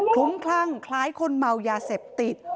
ลุ้มคลั่งคล้ายคนเมายาเสพติด